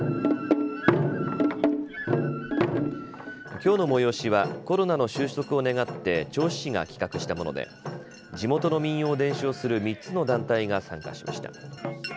きょうの催しはコロナの収束を願って銚子市が企画したもので地元の民謡を伝承する３つの団体が参加しました。